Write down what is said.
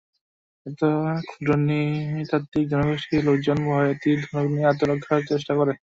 এতে ক্ষুদ্র নৃ-তাত্ত্বিক জনগোষ্ঠীর লোকজন ভয়ে তীর-ধনুক নিয়ে আত্মরক্ষার চেষ্টা করে।